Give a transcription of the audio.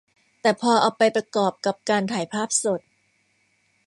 แต่พอเอาไปประกอบกับการถ่ายภาพสด